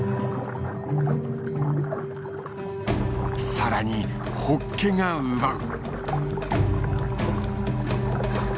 さらにホッケが奪う。